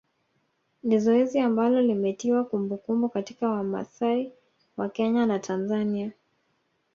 Ni zoezi ambalo limetiwa kumbukumbu katika Wamasai wa Kenya na Tanzania